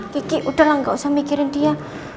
kiki udah lah gak usah mikirin dia